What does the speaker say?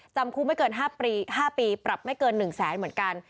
จำคุกไม่เกิน๕ปีปรับไม่เกิน๑แสนเหมือนกัน